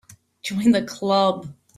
Join the Club.